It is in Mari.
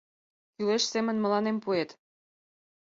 Кӱлеш семын мыланем пуэт.